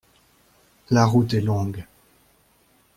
La route est longue.